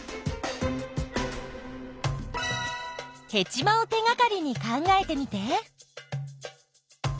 ヘチマを手がかりに考えてみて。